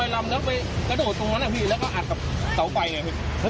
แล้วก็อัดกับเตาไฟไงพี่